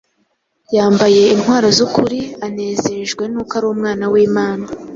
yambaye intwaro z’ukuri, anezejwe n’uko ari umwana w’Imana.